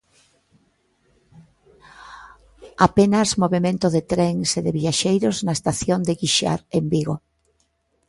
Apenas movemento de trens e de viaxeiros na estación de Guixar, en Vigo.